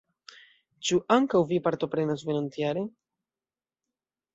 Ĉu ankaŭ vi partoprenos venontjare?